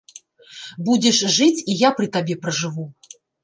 Будзеш жыць, і я пры табе пражыву.